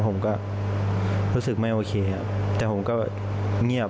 ผมก็รู้สึกไม่โอเคครับแต่ผมก็เงียบ